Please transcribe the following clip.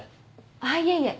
あっいえいえ。